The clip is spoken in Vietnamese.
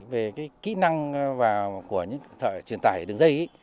về cái kỹ năng vào của những truyền tải đường dây